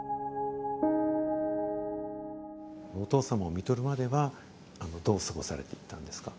お父様をみとるまではどう過ごされていったんですか？